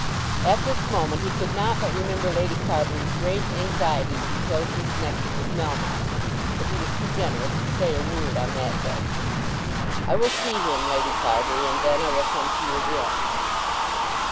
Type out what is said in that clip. At this moment he could not but remember Lady Carbury's great anxiety to be closely connected with Melmotte, but he was too generous to say a word on that head. "I will see him, Lady Carbury, and then I will come to you again."